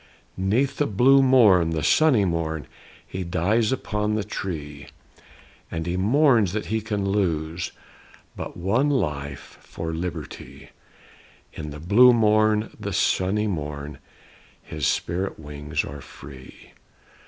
'Neath the blue morn, the sunny morn, He dies upon the tree; And he mourns that he can lose But one life for Liberty; And in the blue morn, the sunny morn, His spirit wings are free.